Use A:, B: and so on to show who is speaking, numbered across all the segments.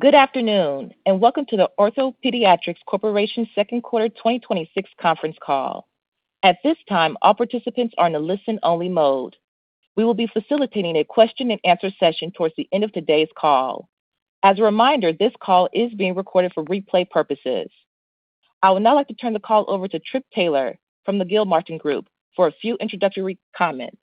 A: Good afternoon, and welcome to the OrthoPediatrics Corp. second quarter 2026 conference call. At this time, all participants are in a listen-only mode. We will be facilitating a question and answer session towards the end of today's call. As a reminder, this call is being recorded for replay purposes. I would now like to turn the call over to Philip Taylor from the Gilmartin Group for a few introductory comments.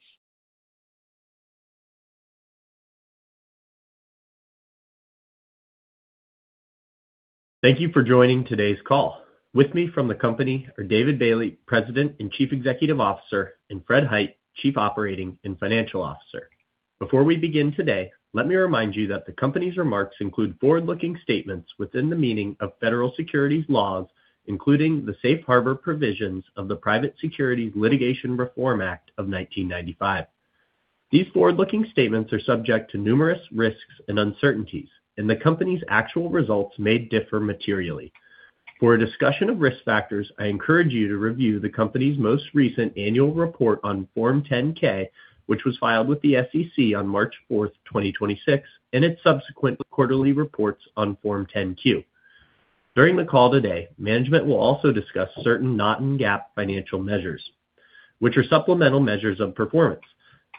B: Thank you for joining today's call. With me from the company are David Bailey, President and Chief Executive Officer, and Fred Hite, Chief Operating and Financial Officer. Before we begin today, let me remind you that the company's remarks include forward-looking statements within the meaning of federal securities laws, including the safe harbor provisions of the Private Securities Litigation Reform Act of 1995. These forward-looking statements are subject to numerous risks and uncertainties, the company's actual results may differ materially. For a discussion of risk factors, I encourage you to review the company's most recent annual report on Form 10-K, which was filed with the SEC on March 4th, 2026, and its subsequent quarterly reports on Form 10-Q. The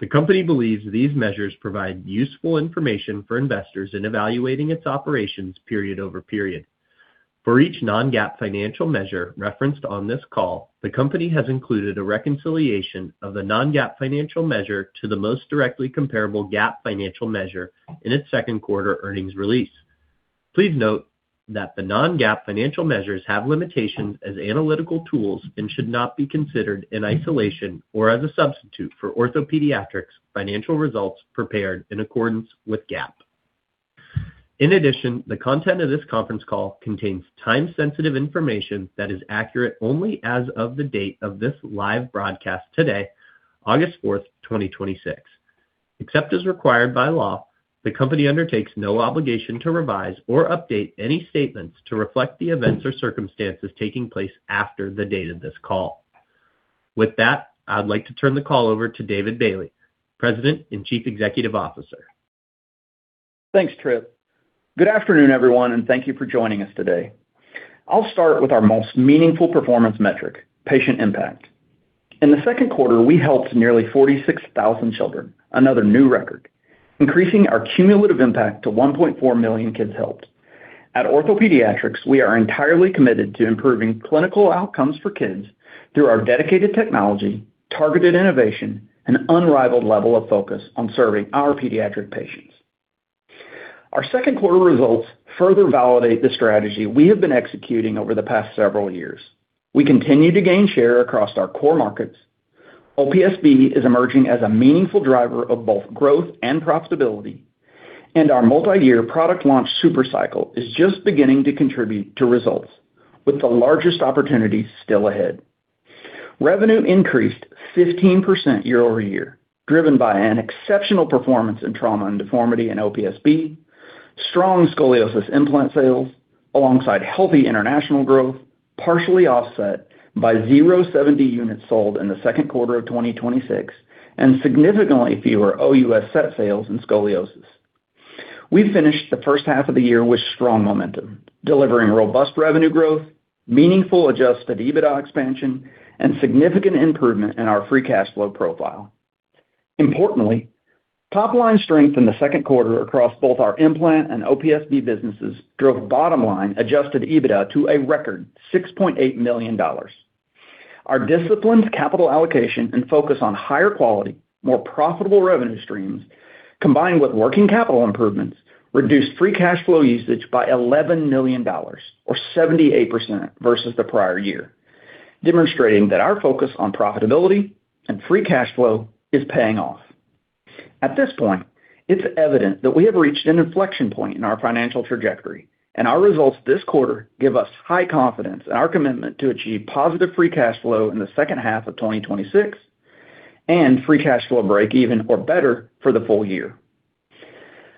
B: company believes these measures provide useful information for investors in evaluating its operations period over period. For each non-GAAP financial measure referenced on this call, the company has included a reconciliation of the non-GAAP financial measure to the most directly comparable GAAP financial measure in its second quarter earnings release. Please note that the non-GAAP financial measures have limitations as analytical tools and should not be considered in isolation or as a substitute for OrthoPediatrics financial results prepared in accordance with GAAP. The content of this conference call contains time-sensitive information that is accurate only as of the date of this live broadcast today, August 4th, 2026. Except as required by law, the company undertakes no obligation to revise or update any statements to reflect the events or circumstances taking place after the date of this call. With that, I'd like to turn the call over to David Bailey, President and Chief Executive Officer.
C: Thanks, Tripp. Good afternoon, everyone. Thank you for joining us today. I'll start with our most meaningful performance metric, patient impact. In the second quarter, we helped nearly 46,000 children, another new record, increasing our cumulative impact to 1.4 million kids helped. At OrthoPediatrics, we are entirely committed to improving clinical outcomes for kids through our dedicated technology, targeted innovation, and unrivaled level of focus on serving our pediatric patients. Our second quarter results further validate the strategy we have been executing over the past several years. We continue to gain share across our core markets. OPSB is emerging as a meaningful driver of both growth and profitability. Our multi-year product launch super cycle is just beginning to contribute to results, with the largest opportunities still ahead. Revenue increased 15% year-over-year, driven by an exceptional performance in trauma and deformity in OPSB, strong scoliosis implant sales alongside healthy international growth, partially offset by 070 units sold in the second quarter of 2026 and significantly fewer OUS set sales in scoliosis. We finished the first half of the year with strong momentum, delivering robust revenue growth, meaningful adjusted EBITDA expansion, and significant improvement in our free cash flow profile. Importantly, top-line strength in the second quarter across both our implant and OPSB businesses drove bottom line adjusted EBITDA to a record $6.8 million. Our disciplined capital allocation and focus on higher quality, more profitable revenue streams, combined with working capital improvements, reduced free cash flow usage by $11 million, or 78% versus the prior year, demonstrating that our focus on profitability and free cash flow is paying off. At this point, it's evident that we have reached an inflection point in our financial trajectory. Our results this quarter give us high confidence in our commitment to achieve positive free cash flow in the second half of 2026 and free cash flow breakeven or better for the full year.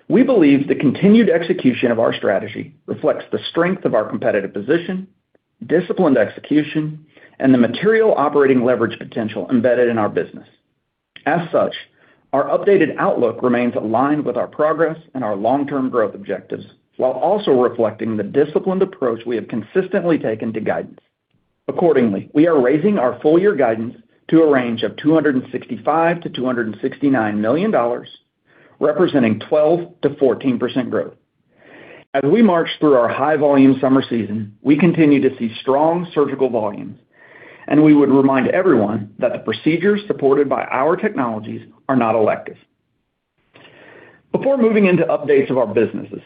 C: We believe the continued execution of our strategy reflects the strength of our competitive position, disciplined execution, and the material operating leverage potential embedded in our business. Our updated outlook remains aligned with our progress and our long-term growth objectives while also reflecting the disciplined approach we have consistently taken to guidance. We are raising our full year guidance to a range of $265 million-$269 million, representing 12%-14% growth. As we march through our high volume summer season, we continue to see strong surgical volumes. We would remind everyone that the procedures supported by our technologies are not elective. Before moving into updates of our businesses,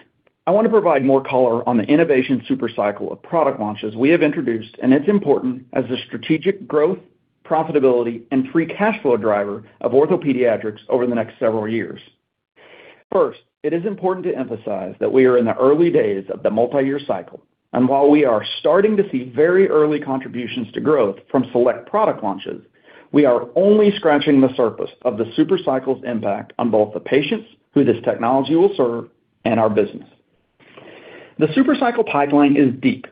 C: I want to provide more color on the innovation super cycle of product launches we have introduced. It's important as a strategic growth, profitability, and free cash flow driver of OrthoPediatrics over the next several years. First, it is important to emphasize that we are in the early days of the multi-year cycle. While we are starting to see very early contributions to growth from select product launches, we are only scratching the surface of the super cycle's impact on both the patients who this technology will serve and our business. The super cycle pipeline is deep.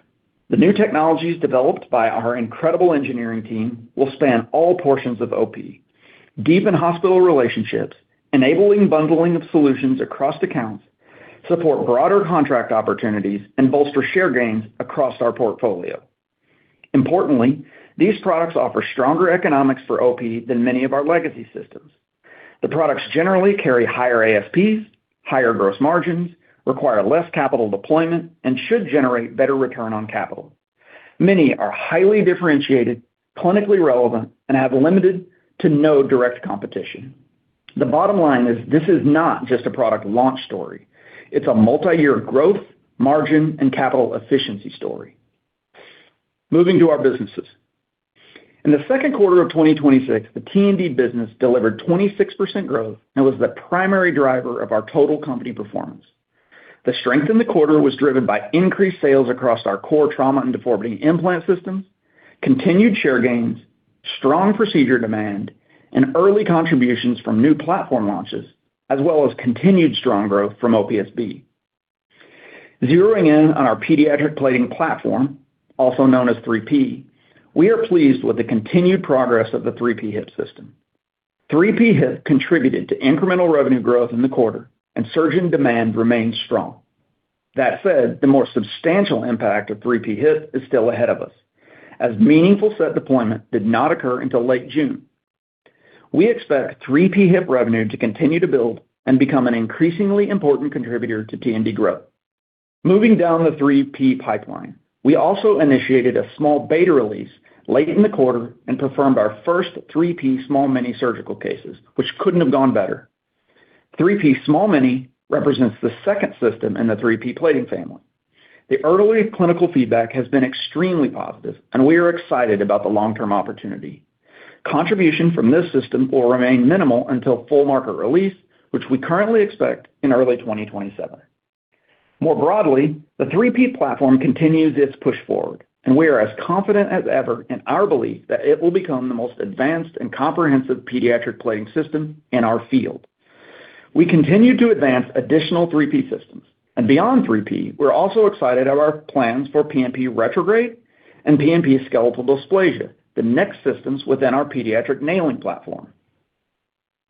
C: The new technologies developed by our incredible engineering team will span all portions of OP, deepen hospital relationships, enabling bundling of solutions across accounts, support broader contract opportunities, and bolster share gains across our portfolio. Importantly, these products offer stronger economics for OP than many of our legacy systems. The products generally carry higher ASPs, higher gross margins, require less capital deployment, and should generate better return on capital. Many are highly differentiated, clinically relevant, and have limited to no direct competition. The bottom line is this is not just a product launch story. It's a multi-year growth, margin, and capital efficiency story. Moving to our businesses. In the second quarter of 2026, the T&D business delivered 26% growth and was the primary driver of our total company performance. The strength in the quarter was driven by increased sales across our core trauma and deformity implant systems, continued share gains, strong procedure demand, and early contributions from new platform launches, as well as continued strong growth from OPSB. Zeroing in on our pediatric plating platform, also known as 3P, we are pleased with the continued progress of the 3P Hip system. 3P Hip contributed to incremental revenue growth in the quarter, and surgeon demand remains strong. That said, the more substantial impact of 3P Hip is still ahead of us, as meaningful set deployment did not occur until late June. We expect 3P Hip revenue to continue to build and become an increasingly important contributor to T&D growth. Moving down the 3P pipeline, we also initiated a small beta release late in the quarter and performed our first 3P Small-Mini surgical cases, which couldn't have gone better. 3P Small-Mini represents the second system in the 3P plating family. The early clinical feedback has been extremely positive, and we are excited about the long-term opportunity. Contribution from this system will remain minimal until full market release, which we currently expect in early 2027. More broadly, the 3P platform continues its push forward, and we are as confident as ever in our belief that it will become the most advanced and comprehensive pediatric plating system in our field. We continue to advance additional 3P systems. Beyond 3P, we're also excited about our plans for PNP Retrograde and PNP Skeletal Dysplasia, the next systems within our pediatric nailing platform.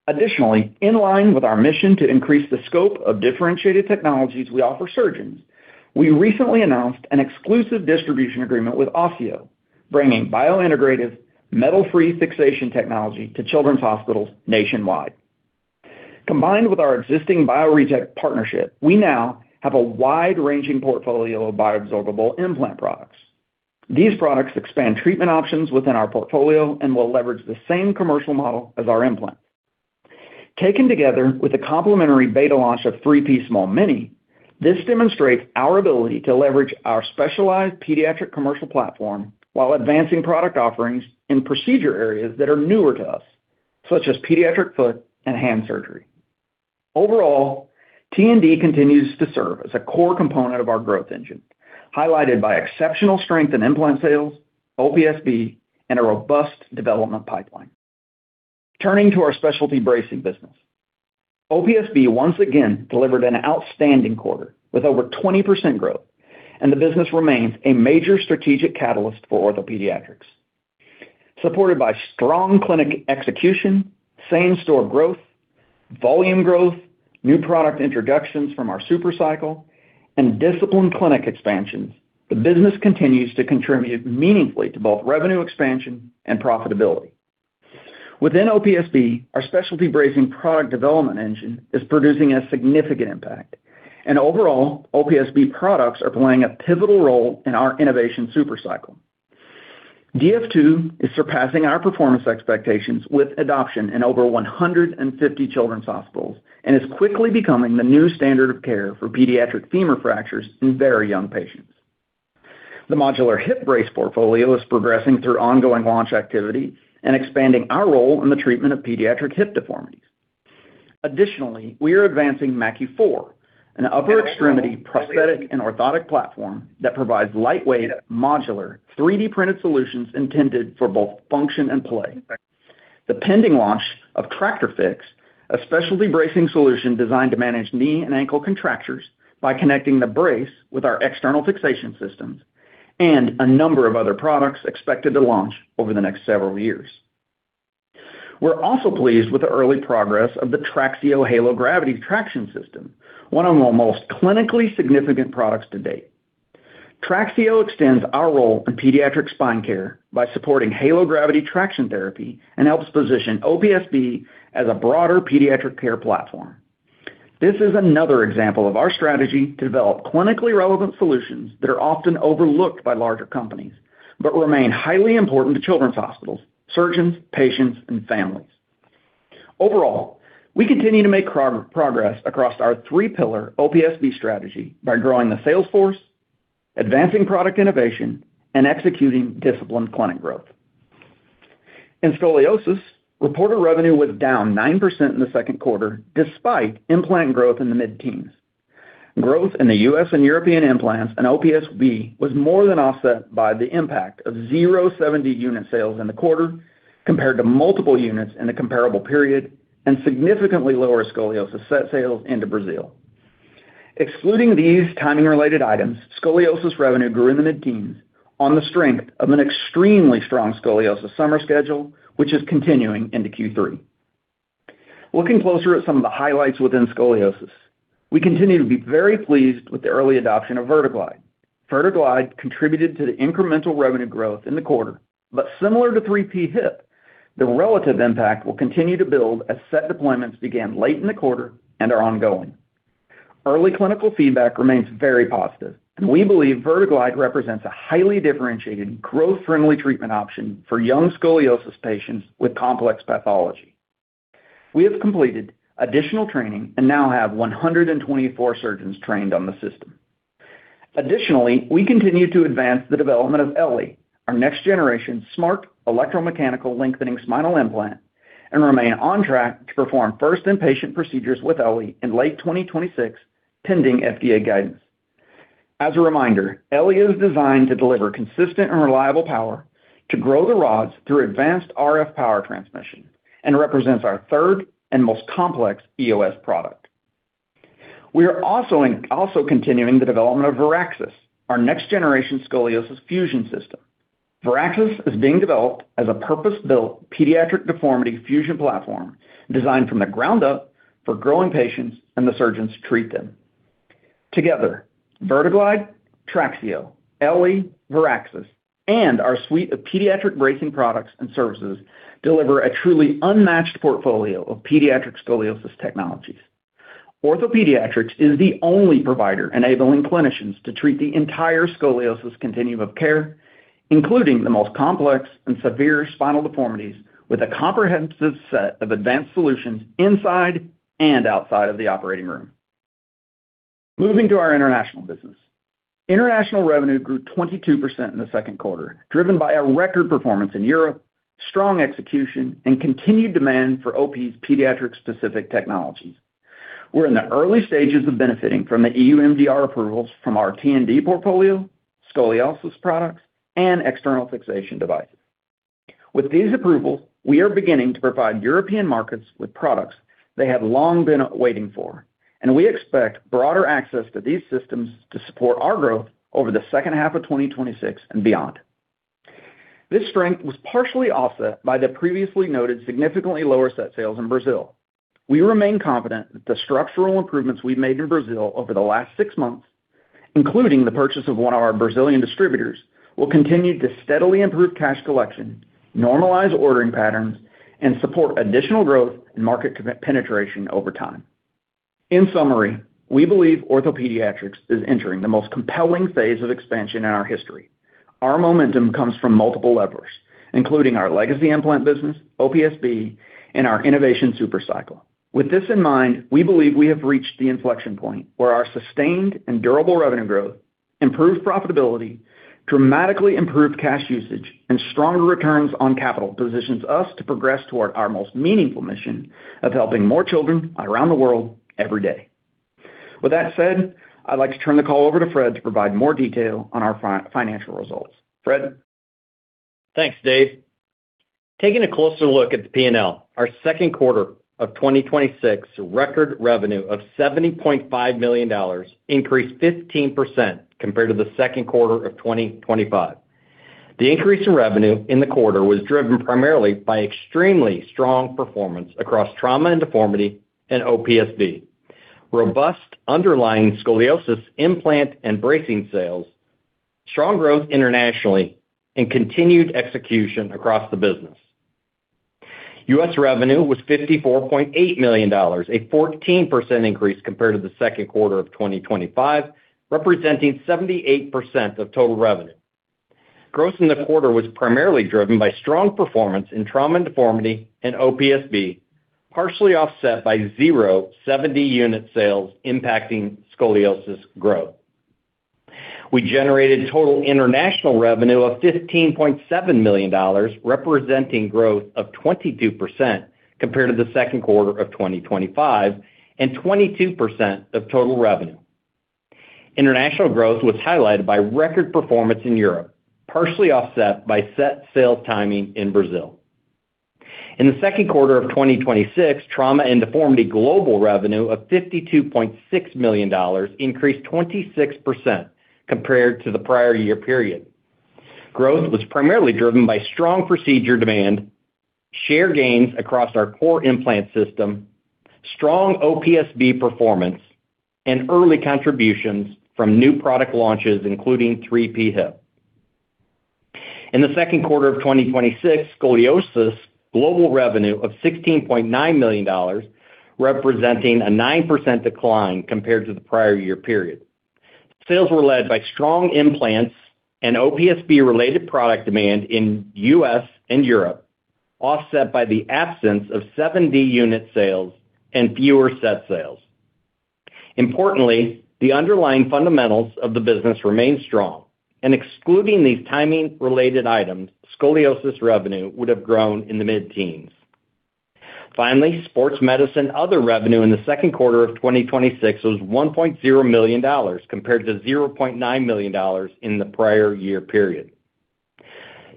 C: Additionally, in line with our mission to increase the scope of differentiated technologies we offer surgeons, we recently announced an exclusive distribution agreement with OSSIO, bringing biointegrative metal-free fixation technology to children's hospitals nationwide. Combined with our existing Bioretec partnership, we now have a wide-ranging portfolio of bioabsorbable implant products. These products expand treatment options within our portfolio and will leverage the same commercial model as our implants. Taken together with the complementary beta launch of 3P Small-Mini, this demonstrates our ability to leverage our specialized pediatric commercial platform while advancing product offerings in procedure areas that are newer to us, such as pediatric foot and hand surgery. Overall, T&D continues to serve as a core component of our growth engine, highlighted by exceptional strength in implant sales, OPSB, and a robust development pipeline. Turning to our specialty bracing business. OPSB once again delivered an outstanding quarter with over 20% growth, and the business remains a major strategic catalyst for OrthoPediatrics. Supported by strong clinic execution, same-store growth, volume growth, new product introductions from our super cycle, and disciplined clinic expansions, the business continues to contribute meaningfully to both revenue expansion and profitability. Within OPSB, our specialty bracing product development engine is producing a significant impact. Overall, OPSB products are playing a pivotal role in our innovation super cycle. DF2 is surpassing our performance expectations with adoption in over 150 children's hospitals and is quickly becoming the new standard of care for pediatric femur fractures in very young patients. The modular hip brace portfolio is progressing through ongoing launch activity and expanding our role in the treatment of pediatric hip deformities. Additionally, we are advancing Machi4, an upper extremity prosthetic and orthotic platform that provides lightweight, modular, 3D-printed solutions intended for both function and play. The pending launch of TractorFix, a specialty bracing solution designed to manage knee and ankle contractures by connecting the brace with our external fixation systems, and a number of other products expected to launch over the next several years. We are also pleased with the early progress of the TRAXIO Halo Gravity Traction system, one of our most clinically significant products to date. TRAXIO extends our role in pediatric spine care by supporting Halo Gravity Traction therapy and helps position OPSB as a broader pediatric care platform. This is another example of our strategy to develop clinically relevant solutions that are often overlooked by larger companies but remain highly important to children's hospitals, surgeons, patients, and families. Overall, we continue to make progress across our three-pillar OPSB strategy by growing the sales force, advancing product innovation, and executing disciplined clinic growth. In scoliosis, reported revenue was down 9% in the second quarter, despite implant growth in the mid-teens. Growth in the U.S. and European implants and OPSB was more than offset by the impact of zero 7D unit sales in the quarter compared to multiple units in the comparable period and significantly lower scoliosis set sales into Brazil. Excluding these timing-related items, scoliosis revenue grew in the mid-teens on the strength of an extremely strong scoliosis summer schedule, which is continuing into Q3. Looking closer at some of the highlights within scoliosis, we continue to be very pleased with the early adoption of VerteGlide. VerteGlide contributed to the incremental revenue growth in the quarter, but similar to 3P Hip, the relative impact will continue to build as set deployments began late in the quarter and are ongoing. Early clinical feedback remains very positive. We believe VerteGlide represents a highly differentiated growth-friendly treatment option for young scoliosis patients with complex pathology. We have completed additional training and now have 124 surgeons trained on the system. Additionally, we continue to advance the development of eLLi, our next-generation smart electromechanical lengthening spinal implant, and remain on track to perform first in-patient procedures with eLLi in late 2026, pending FDA guidance. As a reminder, eLLi is designed to deliver consistent and reliable power to grow the rods through advanced RF power transmission and represents our third and most complex EOS product. We are also continuing the development of Veraxis, our next-generation scoliosis fusion system. Veraxis is being developed as a purpose-built pediatric deformity fusion platform designed from the ground up for growing patients and the surgeons to treat them. Together, VerteGlide, TRAXIO, eLLi, Veraxis, and our suite of pediatric bracing products and services deliver a truly unmatched portfolio of pediatric scoliosis technologies. OrthoPediatrics is the only provider enabling clinicians to treat the entire scoliosis continuum of care, including the most complex and severe spinal deformities, with a comprehensive set of advanced solutions inside and outside of the operating room. Moving to our international business. International revenue grew 22% in the second quarter, driven by a record performance in Europe, strong execution, and continued demand for OP's pediatric-specific technologies. We're in the early stages of benefiting from the EU MDR approvals from our T&D portfolio, scoliosis products, and external fixation devices. With these approvals, we are beginning to provide European markets with products they have long been waiting for, and we expect broader access to these systems to support our growth over the second half of 2026 and beyond. This strength was partially offset by the previously noted significantly lower set sales in Brazil. We remain confident that the structural improvements we've made in Brazil over the last six months, including the purchase of one of our Brazilian distributors, will continue to steadily improve cash collection, normalize ordering patterns, and support additional growth and market penetration over time. In summary, we believe OrthoPediatrics is entering the most compelling phase of expansion in our history. Our momentum comes from multiple levers, including our legacy implant business, OPSB, and our innovation super cycle. With this in mind, we believe we have reached the inflection point where our sustained and durable revenue growth, improved profitability, dramatically improved cash usage, and stronger returns on capital positions us to progress toward our most meaningful mission of helping more children around the world every day. With that said, I'd like to turn the call over to Fred to provide more detail on our financial results. Fred?
D: Thanks, Dave. Taking a closer look at the P&L. Our second quarter of 2026 record revenue of $70.5 million increased 15% compared to the second quarter of 2025. The increase in revenue in the quarter was driven primarily by extremely strong performance across Trauma & Deformity and OPSB. Robust underlying scoliosis implant and bracing sales, strong growth internationally, and continued execution across the business. U.S. revenue was $54.8 million, a 14% increase compared to the second quarter of 2025, representing 78% of total revenue. Growth in the quarter was primarily driven by strong performance in Trauma & Deformity and OPSB, partially offset by zero 7D unit sales impacting scoliosis growth. We generated total international revenue of $15.7 million, representing growth of 22% compared to the second quarter of 2025 and 22% of total revenue. International growth was highlighted by record performance in Europe, partially offset by set sale timing in Brazil. In the second quarter of 2026, Trauma & Deformity global revenue of $52.6 million increased 26% compared to the prior year period. Growth was primarily driven by strong procedure demand, share gains across our core implant system, strong OPSB performance, and early contributions from new product launches, including 3P Hip. In the second quarter of 2026, Scoliosis global revenue of $16.9 million, representing a 9% decline compared to the prior year period. Sales were led by strong implants and OPSB related product demand in U.S. and Europe, offset by the absence of 7D unit sales and fewer set sales. Importantly, the underlying fundamentals of the business remain strong, and excluding these timing-related items, Scoliosis revenue would have grown in the mid-teens. Sports medicine other revenue in the second quarter of 2026 was $1.0 million, compared to $0.9 million in the prior year period.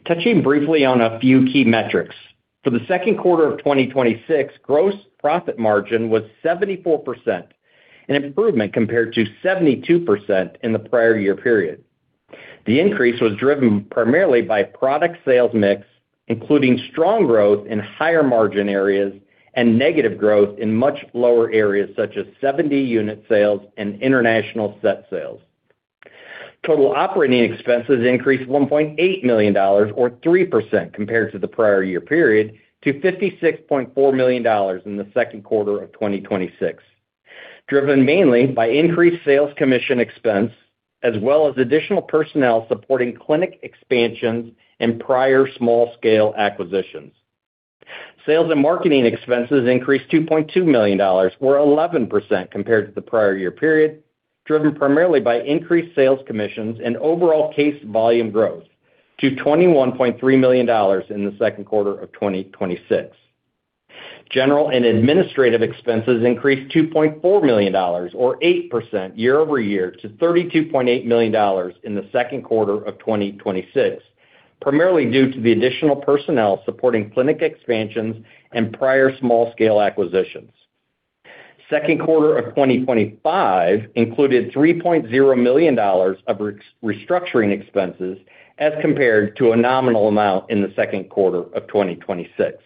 D: Touching briefly on a few key metrics. For the second quarter of 2026, gross profit margin was 74%, an improvement compared to 72% in the prior year period. The increase was driven primarily by product sales mix, including strong growth in higher margin areas and negative growth in much lower areas such as 7D unit sales and international set sales. Total operating expenses increased $1.8 million, or 3%, compared to the prior year period, to $56.4 million in the second quarter of 2026, driven mainly by increased sales commission expense, as well as additional personnel supporting clinic expansions in prior small scale acquisitions. Sales and marketing expenses increased $2.2 million, or 11%, compared to the prior year period, driven primarily by increased sales commissions and overall case volume growth to $21.3 million in the second quarter of 2026. General and administrative expenses increased $2.4 million, or 8%, year-over-year to $32.8 million in the second quarter of 2026, primarily due to the additional personnel supporting clinic expansions and prior small scale acquisitions. Second quarter of 2025 included $3.0 million of restructuring expenses as compared to a nominal amount in the second quarter of 2026.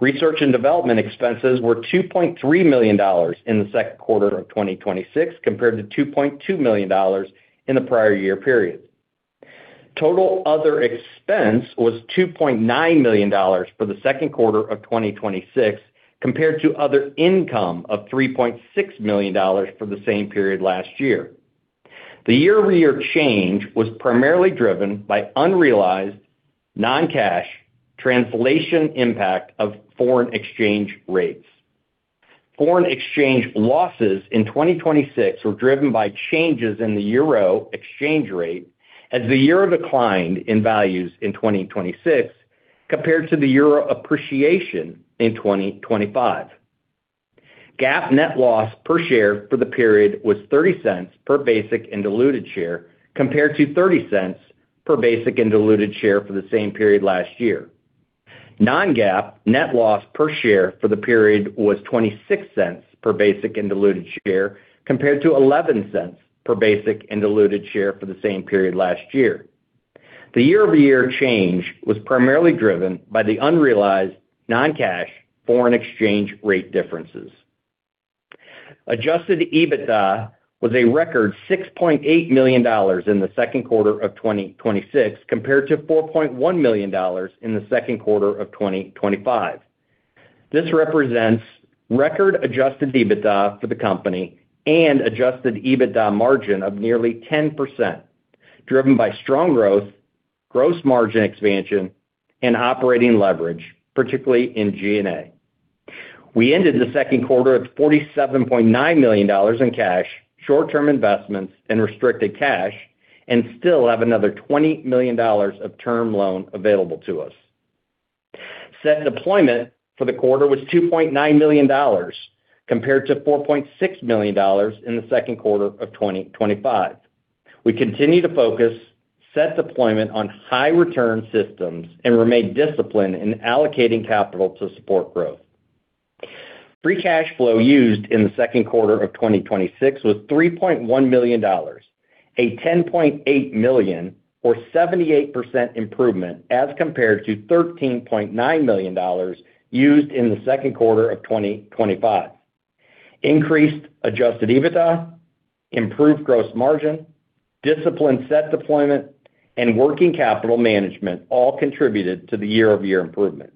D: Research and development expenses were $2.3 million in the second quarter of 2026, compared to $2.2 million in the prior year period. Total other expense was $2.9 million for the second quarter of 2026, compared to other income of $3.6 million for the same period last year. The year-over-year change was primarily driven by unrealized non-cash translation impact of foreign exchange rates. Foreign exchange losses in 2026 were driven by changes in the euro exchange rate, as the euro declined in values in 2026 compared to the euro appreciation in 2025. GAAP net loss per share for the period was $0.30 per basic and diluted share, compared to $0.30 per basic and diluted share for the same period last year. Non-GAAP net loss per share for the period was $0.26 per basic and diluted share, compared to $0.11 per basic and diluted share for the same period last year. The year-over-year change was primarily driven by the unrealized non-cash foreign exchange rate differences. Adjusted EBITDA was a record $6.8 million in the second quarter of 2026, compared to $4.1 million in the second quarter of 2025. This represents record adjusted EBITDA for the company and adjusted EBITDA margin of nearly 10%, driven by strong growth, gross margin expansion, and operating leverage, particularly in G&A. We ended the second quarter with $47.9 million in cash, short-term investments, and restricted cash, and still have another $20 million of term loan available to us. Set deployment for the quarter was $2.9 million, compared to $4.6 million in the second quarter of 2025. We continue to focus set deployment on high return systems and remain disciplined in allocating capital to support growth. Free cash flow used in the second quarter of 2026 was $3.1 million, a $10.8 million or 78% improvement as compared to $13.9 million used in the second quarter of 2025. Increased adjusted EBITDA, improved gross margin, disciplined set deployment, and working capital management all contributed to the year-over-year improvement.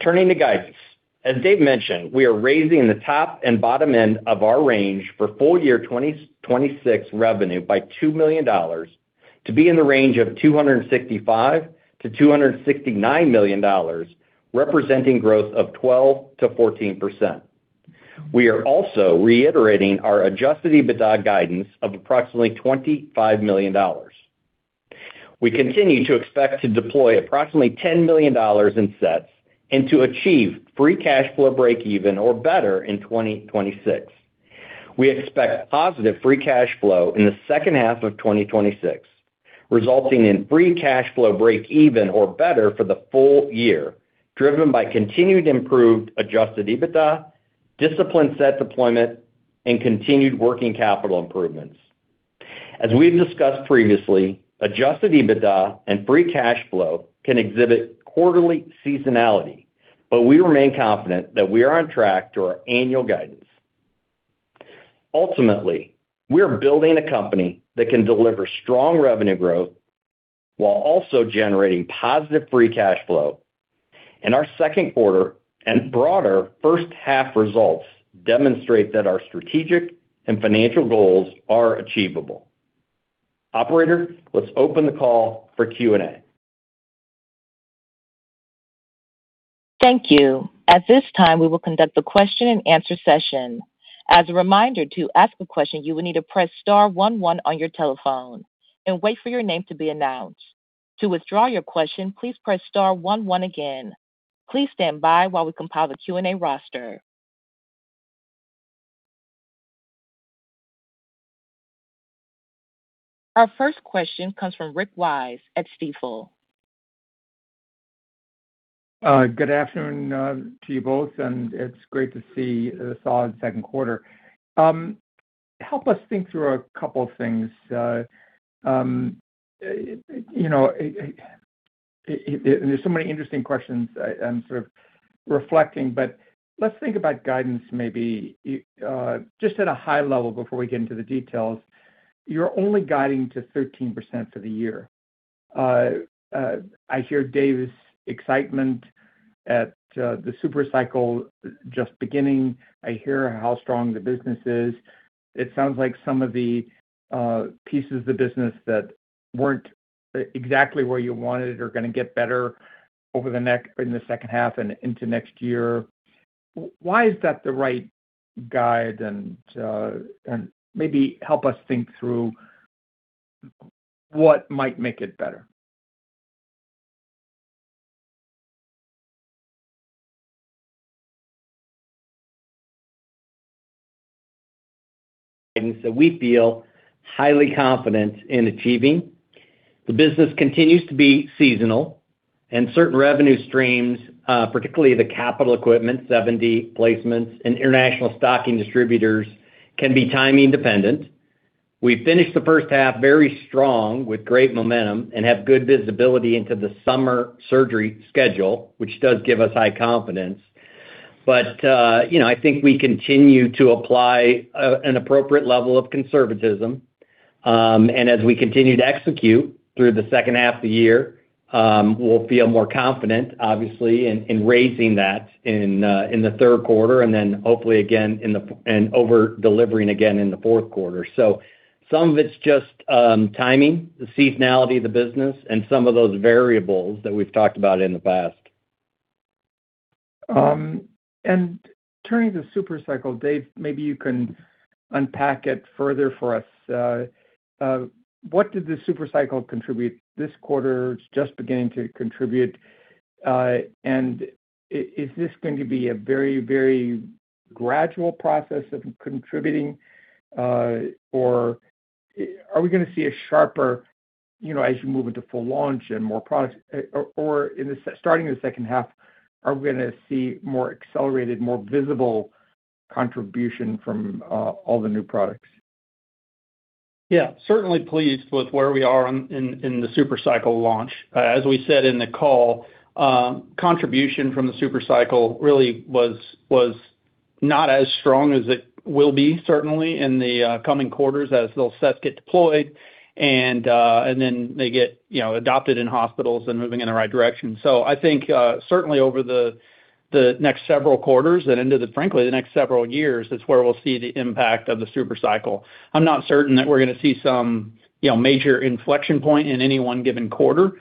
D: Turning to guidance. As Dave mentioned, we are raising the top and bottom end of our range for full year 2026 revenue by $2 million to be in the range of $265 million-$269 million, representing growth of 12%-14%. We are also reiterating our adjusted EBITDA guidance of approximately $25 million. We continue to expect to deploy approximately $10 million in sets and to achieve free cash flow breakeven or better in 2026. We expect positive free cash flow in the second half of 2026, resulting in free cash flow breakeven or better for the full year, driven by continued improved adjusted EBITDA, disciplined set deployment, and continued working capital improvements. As we've discussed previously, adjusted EBITDA and free cash flow can exhibit quarterly seasonality, but we remain confident that we are on track to our annual guidance. Ultimately, we are building a company that can deliver strong revenue growth while also generating positive free cash flow. Our second quarter and broader first half results demonstrate that our strategic and financial goals are achievable. Operator, let's open the call for Q&A.
A: Our first question comes from Rick Wise at Stifel.
E: Good afternoon to you both, it's great to see a solid second quarter. Help us think through a couple of things. There's so many interesting questions I'm sort of reflecting, let's think about guidance, maybe just at a high level before we get into the details. You're only guiding to 13% for the year. I hear Dave's excitement at the Super Cycle just beginning. I hear how strong the business is. It sounds like some of the pieces of the business that weren't exactly where you wanted are going to get better in the second half and into next year. Why is that the right guide? Maybe help us think through what might make it better.
C: We feel highly confident in achieving. The business continues to be seasonal and certain revenue streams, particularly the capital equipment, 7D placements, and international stocking distributors can be timing dependent. We finished the first half very strong with great momentum and have good visibility into the summer surgery schedule, which does give us high confidence. I think we continue to apply an appropriate level of conservatism. As we continue to execute through the second half of the year, we'll feel more confident, obviously, in raising that in the third quarter and then hopefully again over-delivering again in the fourth quarter. Some of it's just timing, the seasonality of the business, and some of those variables that we've talked about in the past.
E: Turning to Super Cycle, Dave, maybe you can unpack it further for us. What did the Super Cycle contribute this quarter? It's just beginning to contribute. Is this going to be a very gradual process of contributing? Are we going to see a sharper as you move into full launch and more products, or starting in the second half, are we going to see more accelerated, more visible contribution from all the new products?
C: Yeah, certainly pleased with where we are in the Super Cycle launch. As we said in the call, contribution from the Super Cycle really was not as strong as it will be certainly in the coming quarters as those sets get deployed and then they get adopted in hospitals and moving in the right direction. I think certainly over the next several quarters and into the, frankly, the next several years is where we'll see the impact of the Super Cycle. I'm not certain that we're going to see some major inflection point in any one given quarter.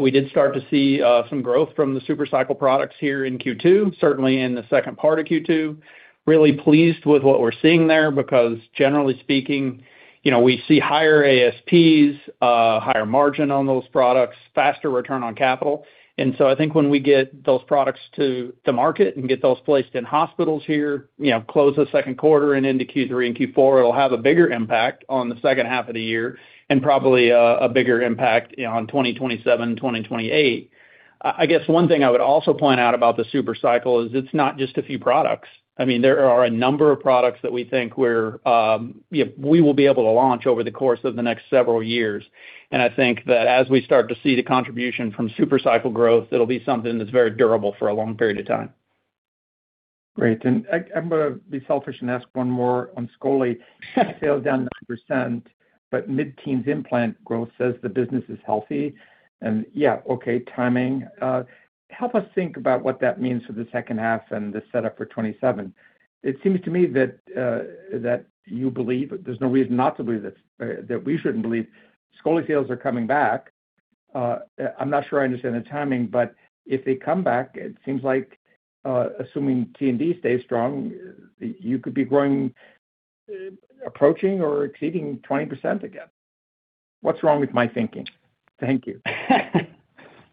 C: We did start to see some growth from the Super Cycle products here in Q2, certainly in the second part of Q2. Really pleased with what we're seeing there, because generally speaking, we see higher ASPs, higher margin on those products, faster return on capital. I think when we get those products to market and get those placed in hospitals here, close the second quarter and into Q3 and Q4, it'll have a bigger impact on the second half of the year and probably a bigger impact on 2027, 2028. I guess one thing I would also point out about the Super Cycle is it's not just a few products. There are a number of products that we think we will be able to launch over the course of the next several years. I think that as we start to see the contribution from Super Cycle growth, it'll be something that's very durable for a long period of time.
E: Great. I'm going to be selfish and ask one more on scoli. Sales down 9%, but mid-teens implant growth says the business is healthy. Yeah, okay, timing. Help us think about what that means for the second half and the setup for 2027. It seems to me that you believe there's no reason not to believe that we shouldn't believe scoli sales are coming back. I'm not sure I understand the timing, but if they come back, it seems like, assuming T&D stays strong, you could be growing, approaching, or exceeding 20% again. What's wrong with my thinking? Thank you.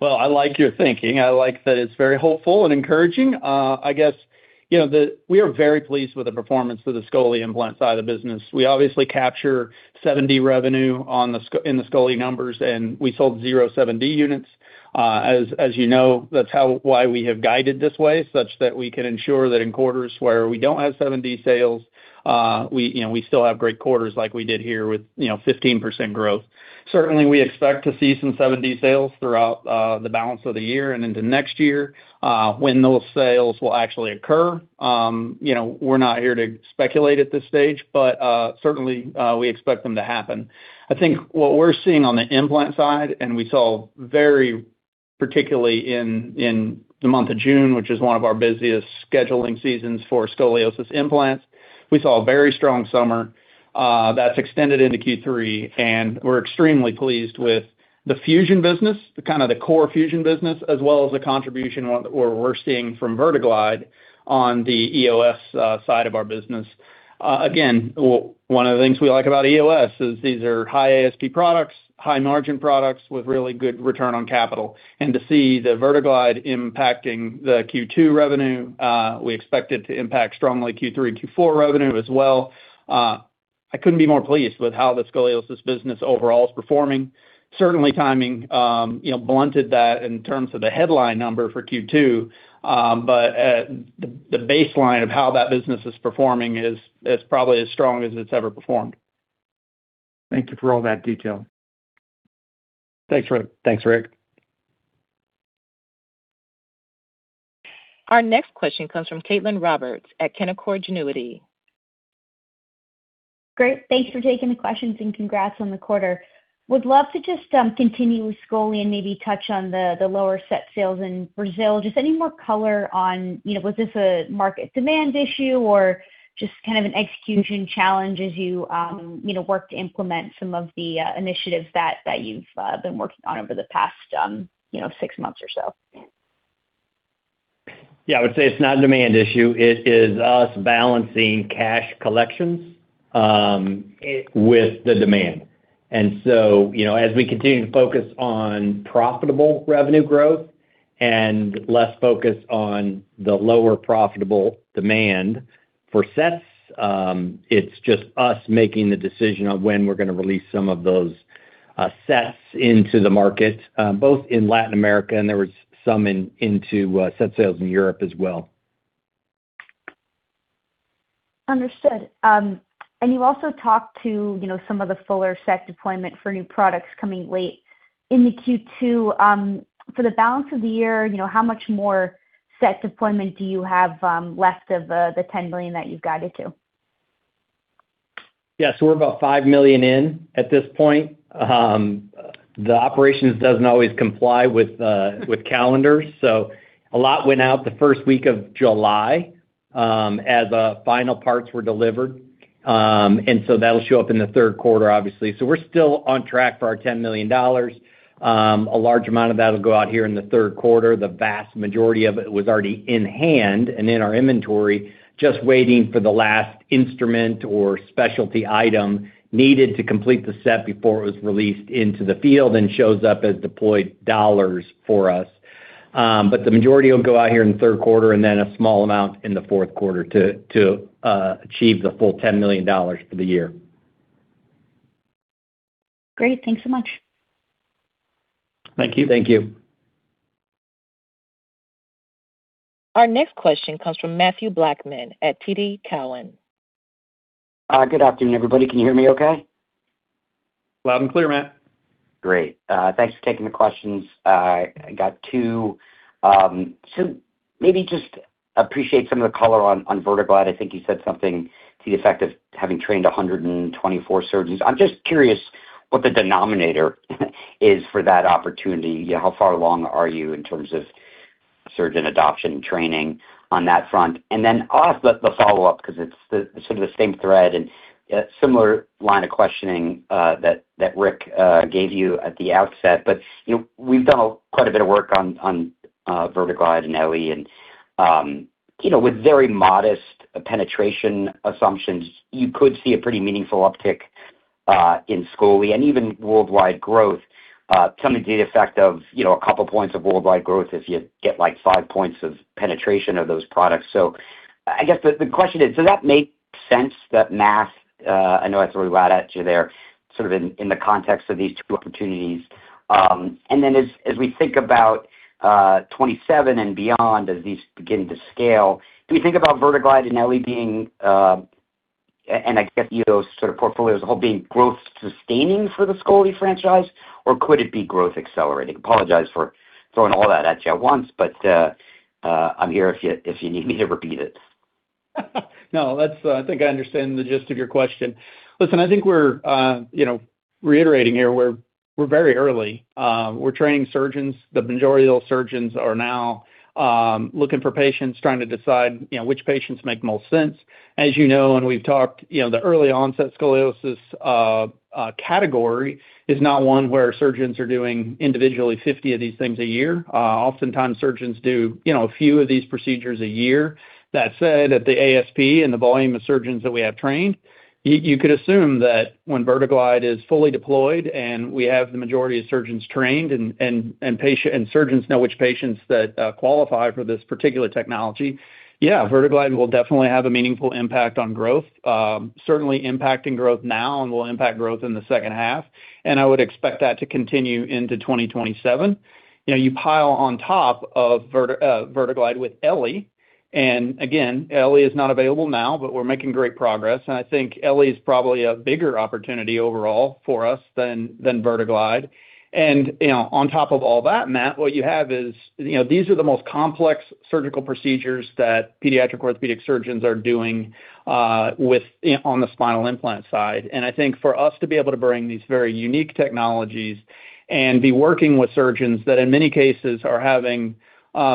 C: Well, I like your thinking. I like that it's very hopeful and encouraging. I guess we are very pleased with the performance of the scoli implant side of the business. We obviously capture 7D revenue in the scoli numbers, and we sold 7D units. As you know, that's why we have guided this way, such that we can ensure that in quarters where we don't have 7D sales, we still have great quarters like we did here with 15% growth. Certainly, we expect to see some 7D sales throughout the balance of the year and into next year. When those sales will actually occur, we're not here to speculate at this stage, but certainly, we expect them to happen. I think what we're seeing on the implant side, and we saw very particularly in the month of June, which is one of our busiest scheduling seasons for scoliosis implants, we saw a very strong summer that's extended into Q3, and we're extremely pleased with the fusion business, kind of the core fusion business, as well as the contribution we're seeing from VerteGlide on the EOS side of our business. Again, one of the things we like about EOS is these are high ASP products, high margin products with really good return on capital. To see the VerteGlide impacting the Q2 revenue, we expect it to impact strongly Q3, Q4 revenue as well. I couldn't be more pleased with how the Scoliosis business overall is performing. Certainly timing blunted that in terms of the headline number for Q2. The baseline of how that business is performing is probably as strong as it's ever performed.
E: Thank you for all that detail.
C: Thanks, Rick.
D: Thanks, Rick.
A: Our next question comes from Caitlin Roberts at Canaccord Genuity.
F: Great. Thanks for taking the questions, congrats on the quarter. Would love to just continue with scoli and maybe touch on the lower set sales in Brazil. Any more color on, was this a market demand issue or just kind of an execution challenge as you work to implement some of the initiatives that you've been working on over the past six months or so?
D: Yeah. I would say it's not a demand issue. It is us balancing cash collections with the demand. As we continue to focus on profitable revenue growth less focus on the lower profitable demand for sets, it's just us making the decision on when we're going to release some of those sets into the market, both in Latin America, there was some into set sales in Europe as well.
F: Understood. You also talked to some of the fuller set deployment for new products coming late into Q2. For the balance of the year, how much more set deployment do you have left of the $10 million that you've guided to?
D: Yeah. We're about $5 million in at this point. The operations doesn't always comply with calendars, a lot went out the first week of July, as final parts were delivered. That'll show up in the third quarter, obviously. We're still on track for our $10 million. A large amount of that'll go out here in the third quarter. The vast majority of it was already in hand and in our inventory, just waiting for the last instrument or specialty item needed to complete the set before it was released into the field and shows up as deployed dollars for us. The majority will go out here in the third quarter and then a small amount in the fourth quarter to achieve the full $10 million for the year.
F: Great. Thanks so much.
D: Thank you.
C: Thank you.
A: Our next question comes from Mathew Blackman at TD Cowen.
G: Good afternoon, everybody. Can you hear me okay?
C: Loud and clear, Matt.
G: Great. Thanks for taking the questions. I got two. Maybe just appreciate some of the color on VerteGlide. I think you said something to the effect of having trained 124 surgeons. I'm just curious what the denominator is for that opportunity. How far along are you in terms of surgeon adoption training on that front? Then I'll ask the follow-up because it's sort of the same thread and a similar line of questioning that Rick gave you at the outset. We've done quite a bit of work on VerteGlide and eLLi, and with very modest penetration assumptions, you could see a pretty meaningful uptick in scoli and even worldwide growth, something to the effect of a couple of points of worldwide growth if you get five points of penetration of those products. I guess the question is, does that make sense, that math? I know that's what we add at you there, sort of in the context of these two opportunities. As we think about 2027 and beyond, as these begin to scale, do we think about VerteGlide and eLLi being, and I guess those sort of portfolios all being growth sustaining for the scoli franchise, or could it be growth accelerating? I apologize for throwing all that at you at once, but I'm here if you need me to repeat it.
C: I think I understand the gist of your question. I think we're reiterating here, we're very early. We're training surgeons. The majority of those surgeons are now looking for patients, trying to decide which patients make most sense. As you know, and we've talked, the Early Onset Scoliosis category is not one where surgeons are doing individually 50 of these things a year. Oftentimes, surgeons do a few of these procedures a year. That said, at the ASP and the volume of surgeons that we have trained, you could assume that when VerteGlide is fully deployed and we have the majority of surgeons trained and surgeons know which patients that qualify for this particular technology, yeah, VerteGlide will definitely have a meaningful impact on growth. Certainly impacting growth now and will impact growth in the second half, and I would expect that to continue into 2027. You pile on top of VerteGlide with eLLi, again, eLLi is not available now, but we're making great progress. I think eLLi is probably a bigger opportunity overall for us than VerteGlide. On top of all that, Matt, what you have is, these are the most complex surgical procedures that pediatric orthopedic surgeons are doing on the spinal implant side. I think for us to be able to bring these very unique technologies and be working with surgeons that, in many cases, are having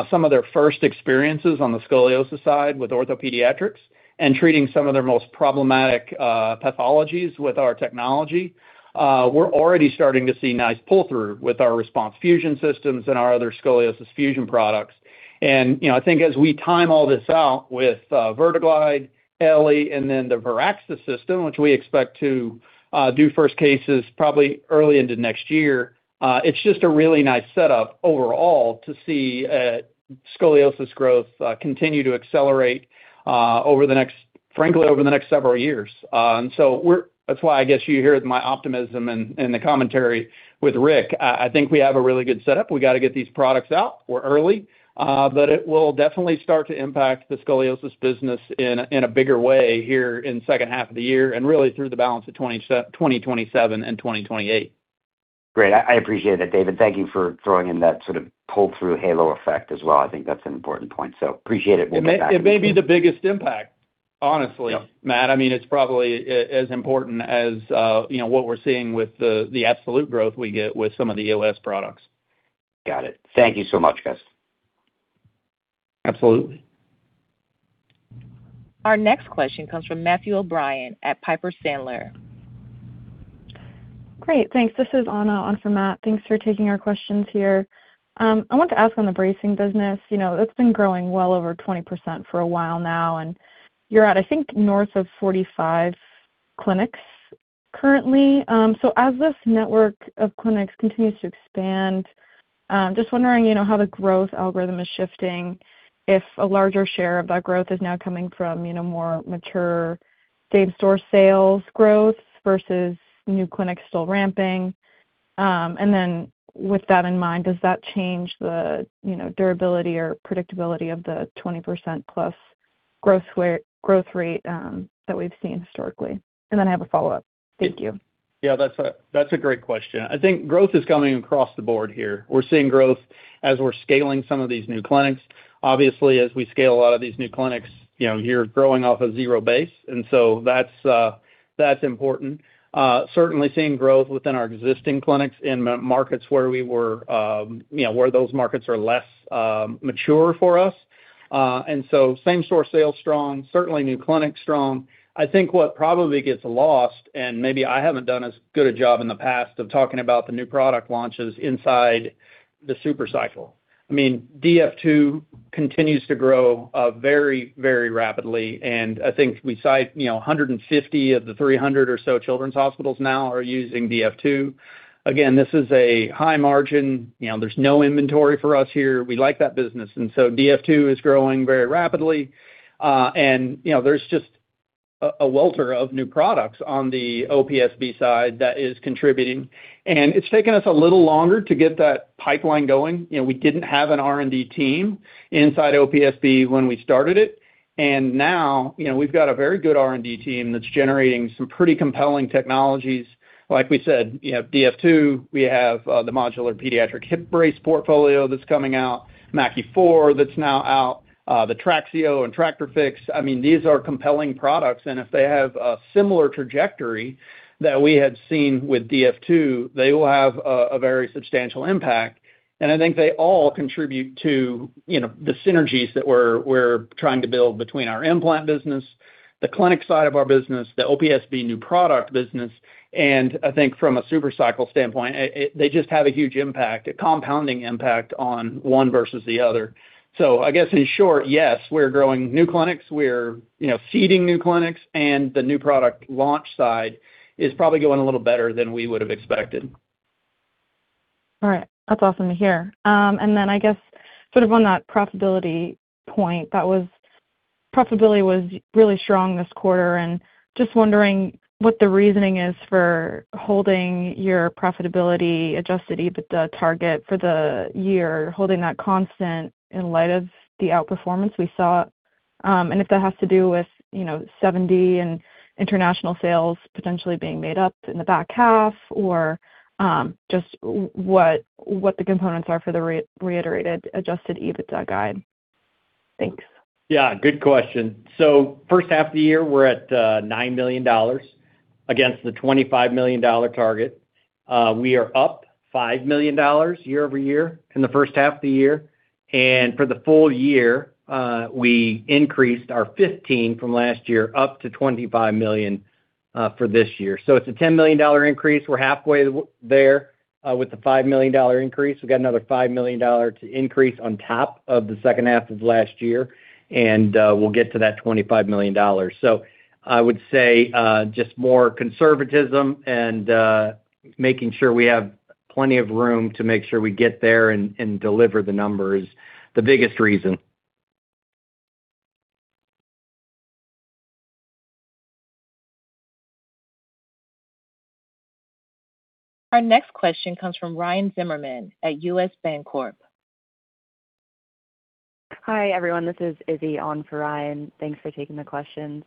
C: some of their first experiences on the scoliosis side with OrthoPediatrics and treating some of their most problematic pathologies with our technology, we're already starting to see nice pull-through with our RESPONSE Fusion systems and our other scoliosis fusion products. I think as we time all this out with VerteGlide, eLLi, and then the Veraxis system, which we expect to do first cases probably early into next year, it's just a really nice setup overall to see scoliosis growth continue to accelerate. frankly, over the next several years. That's why, I guess you hear my optimism in the commentary with Rick. I think we have a really good setup. We got to get these products out. We're early. But it will definitely start to impact the Scoliosis business in a bigger way here in the second half of the year and really through the balance of 2027 and 2028.
G: Great. I appreciate that, David. Thank you for throwing in that sort of pull-through halo effect as well. I think that's an important point, so appreciate it. We'll get back to you soon.
C: It may be the biggest impact, honestly.
G: Yeah
C: Matt. It's probably as important as what we're seeing with the absolute growth we get with some of the EOS products.
G: Got it. Thank you so much, guys.
C: Absolutely.
A: Our next question comes from Matthew O'Brien at Piper Sandler.
H: Great. Thanks. This is Anna on for Matt. Thanks for taking our questions here. I wanted to ask on the bracing business, it's been growing well over 20% for a while now, and you're at, I think, north of 45 clinics currently. As this network of clinics continues to expand, just wondering how the growth algorithm is shifting, if a larger share of that growth is now coming from more mature same-store sales growth versus new clinics still ramping. With that in mind, does that change the durability or predictability of the 20% plus growth rate that we've seen historically? I have a follow-up. Thank you.
C: Yeah, that's a great question. I think growth is coming across the board here. We're seeing growth as we're scaling some of these new clinics. Obviously, as we scale a lot of these new clinics, you're growing off a zero base. That's important. Certainly seeing growth within our existing clinics in markets where those markets are less mature for us. Same-store sales strong, certainly new clinics strong. I think what probably gets lost, and maybe I haven't done as good a job in the past of talking about the new product launches inside the super cycle. I mean, DF2 continues to grow very, very rapidly, and I think we cite 150 of the 300 or so children's hospitals now are using DF2. Again, this is a high margin, there's no inventory for us here. We like that business. DF2 is growing very rapidly. There's just a welter of new products on the OPSB side that is contributing, and it's taken us a little longer to get that pipeline going. We didn't have an R&D team inside OPSB when we started it. Now, we've got a very good R&D team that's generating some pretty compelling technologies. Like we said, you have DF2, we have the modular pediatric hip brace portfolio that's coming out, MACI 4 that's now out, the TRAXIO and TractorFix. These are compelling products, and if they have a similar trajectory that we had seen with DF2, they will have a very substantial impact, and I think they all contribute to the synergies that we're trying to build between our implant business, the clinic side of our business, the OPSB new product business. I think from a super cycle standpoint, they just have a huge impact, a compounding impact on one versus the other. I guess in short, yes, we're growing new clinics. We're seeding new clinics and the new product launch side is probably going a little better than we would've expected.
H: All right. That's awesome to hear. Then I guess sort of on that profitability point, profitability was really strong this quarter, and just wondering what the reasoning is for holding your profitability adjusted EBITDA target for the year, holding that constant in light of the outperformance we saw. If that has to do with 7D and international sales potentially being made up in the back half, or just what the components are for the reiterated adjusted EBITDA guide. Thanks.
D: Yeah, good question. First half of the year, we're at $9 million against the $25 million target. We are up $5 million year-over-year in the first half of the year. For the full year, we increased our $15 million from last year up to $25 million, for this year. It's a $10 million increase. We're halfway there with the $5 million increase. We've got another $5 million to increase on top of the second half of last year. We'll get to that $25 million. I would say, just more conservatism and making sure we have plenty of room to make sure we get there and deliver the numbers, the biggest reason.
A: Our next question comes from Ryan Zimmerman at U.S. Bancorp.
I: Hi, everyone. This is Izzy on for Ryan. Thanks for taking the questions.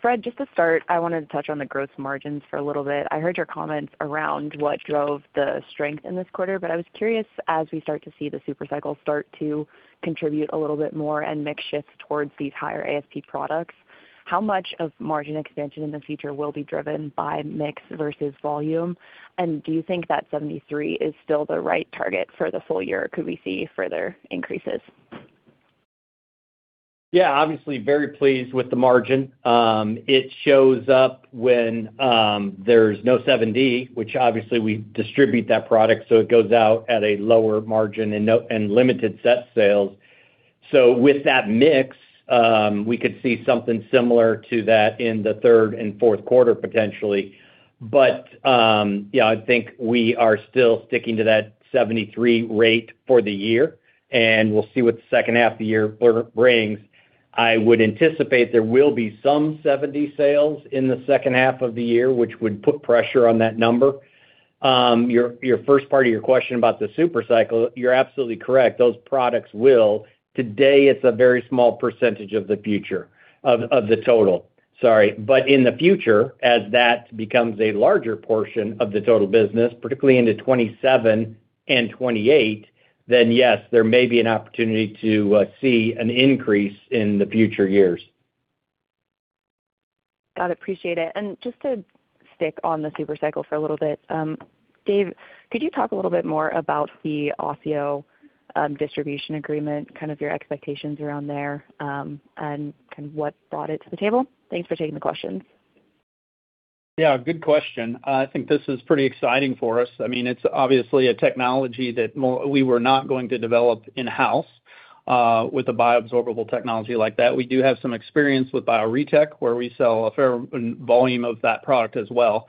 I: Fred, just to start, I wanted to touch on the gross margins for a little bit. I heard your comments around what drove the strength in this quarter, but I was curious, as we start to see the super cycle start to contribute a little bit more and mix shift towards these higher ASP products, how much of margin expansion in the future will be driven by mix versus volume? Do you think that 73% is still the right target for the full year? Could we see further increases?
D: Yeah, obviously very pleased with the margin. It shows up when there's no 7D, which obviously we distribute that product, so it goes out at a lower margin and limited set sales. With that mix, we could see something similar to that in the third and fourth quarter potentially. Yeah, I think we are still sticking to that 73% rate for the year, and we'll see what the second half of the year brings. I would anticipate there will be some 7D sales in the second half of the year, which would put pressure on that number. Your first part of your question about the Super Cycle, you're absolutely correct. Those products will. Today, it's a very small percentage of the total. In the future, as that becomes a larger portion of the total business, particularly into 2027 and 2028, yes, there may be an opportunity to see an increase in the future years.
I: Got it. Appreciate it. Just to stick on the Super Cycle for a little bit. Dave, could you talk a little bit more about the OSSIO distribution agreement, kind of your expectations around there, and kind of what brought it to the table? Thanks for taking the questions.
C: Yeah. Good question. I think this is pretty exciting for us. It's obviously a technology that we were not going to develop in-house, with a bioabsorbable technology like that. We do have some experience with Bioretec, where we sell a fair volume of that product as well.